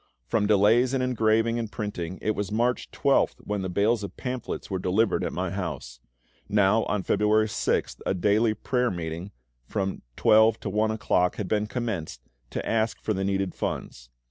From delays in engraving and printing, it was March 12th when the bales of pamphlets were delivered at my house. Now on February 6th a daily prayer meeting, from 12 to 1 o'clock, had been commenced, to ask for the needed funds.